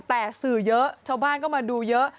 แต่สื่อเยอะชาวบ้านก็มาดูเยอะ